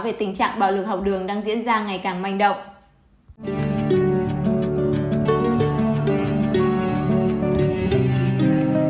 về tình trạng bạo lực học đường đang diễn ra ngày càng manh động